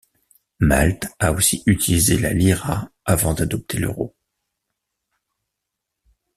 Malte a aussi utilisé la lira avant d'adopter l'euro.